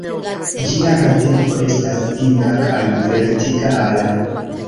Ĝia radiko estas dika kaj vertikala.